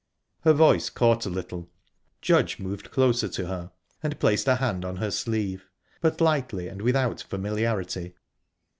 Her voice caught a little. Judge moved closer to her, and placed a hand on her sleeve, but lightly and without familiarity.